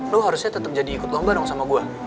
lo harusnya tetap jadi ikut lomba dong sama gue